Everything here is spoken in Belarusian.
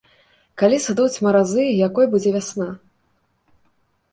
Калі сыдуць маразы і якой будзе вясна?